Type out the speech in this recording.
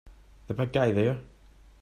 The big guy there!